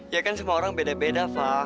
ya kan semua orang beda beda pak